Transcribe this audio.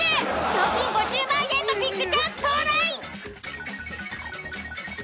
賞金５０万円のビッグチャンス到来！